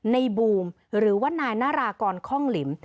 ในบูมหรือว่านายนารากรค่องหลิม